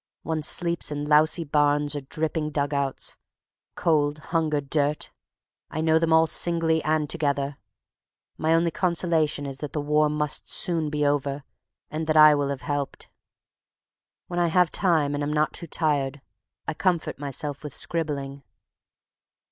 One sleeps in lousy barns or dripping dugouts. Cold, hunger, dirt, I know them all singly and together. My only consolation is that the war must soon be over, and that I will have helped. When I have time and am not too tired, I comfort myself with scribbling.